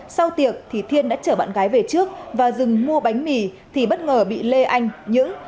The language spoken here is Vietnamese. sau tiệc thì thiên đã chở bạn gái về trước và dừng mua bánh mì thì bất ngờ bị lê anh những